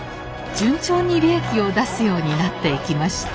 順調に利益を出すようになっていきました。